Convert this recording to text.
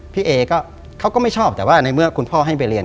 พี่เอก็เขาก็ไม่ชอบแต่ว่าในเมื่อคุณพ่อให้ไปเรียน